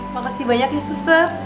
makasih banyak ya suster